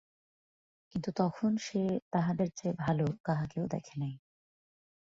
কিন্তু তখন সে তাহাদের চেয়ে ভালো কাহাকেও দেখে নাই।